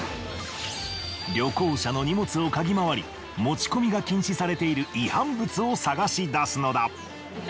旅行者の荷物をかぎ回り持ち込みが禁止されている違反物を探し出すのだ。